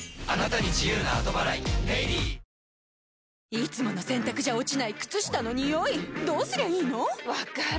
いつもの洗たくじゃ落ちない靴下のニオイどうすりゃいいの⁉分かる。